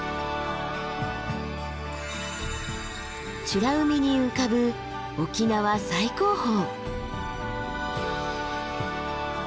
美ら海に浮かぶ沖縄最高峰。